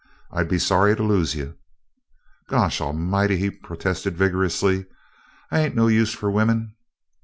"I'd be sorry to lose you." "Gosh a'mighty!" he protested vigorously. "I ain't no use fer women!"